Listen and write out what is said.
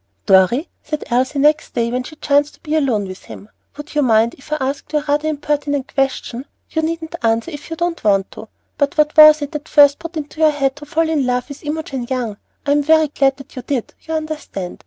"Dorry," said Elsie, next day when she chanced to be alone with him, "Would you mind if I asked you rather an impertinent question? You needn't answer if you don't want to; but what was it that first put it into your head to fall in love with Imogen Young? I'm very glad that you did, you understand.